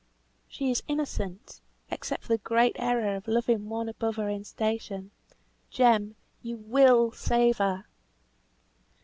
She is innocent, except for the great error of loving one above her in station. Jem! you will save her?"